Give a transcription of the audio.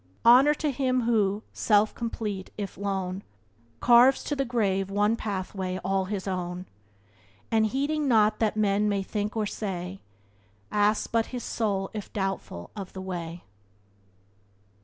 "Honor to him who, self complete, if lone, Carves to the grave one pathway all his own, And heeding naught that men may think or say, Asks but his soul if doubtful of the way."